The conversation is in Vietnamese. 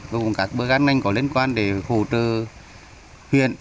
và các bơ gác nhanh có liên quan để hỗ trợ huyện